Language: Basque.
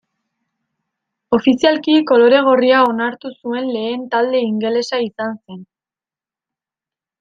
Ofizialki kolore gorria onartu zuen lehen talde ingelesa izan zen.